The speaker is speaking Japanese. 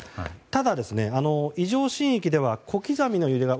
ただ、異常震域では小刻みな揺れが。